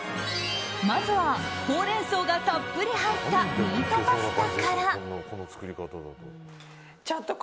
まずはホウレンソウがたっぷり入ったミートパスタから。